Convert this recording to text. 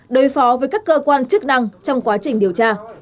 đối phó với các cơ quan chức năng trong quá trình điều tra